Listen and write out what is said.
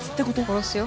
殺すよ